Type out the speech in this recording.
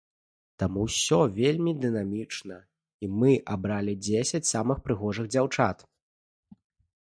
Таму ўсё вельмі дынамічна, і мы абралі дзесяць самых прыгожых дзяўчат.